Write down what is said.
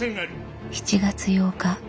７月８日。